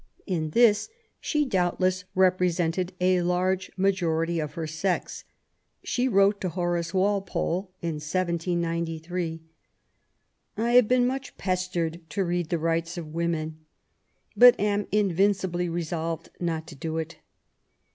In this she doubt less represented a large majority of her sex. She wrote to Horace Walpole in 1793 :— I hare b«en much pestered to read the Rights of Women, but am invinoibly resolved not to do it.